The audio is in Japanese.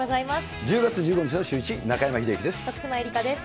１０月１５日のシューイチ、徳島えりかです。